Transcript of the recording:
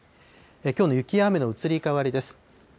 きょうの雪や雨の移り変わりです。